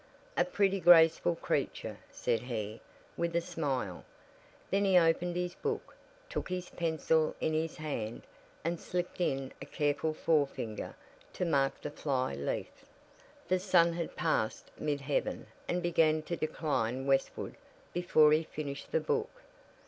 "A pretty, graceful creature," said he, with a smile. Then he opened his book, took his pencil in his hand, and slipped in a careful forefinger to mark the fly leaf. The sun had passed mid heaven and began to decline westward before he finished the book.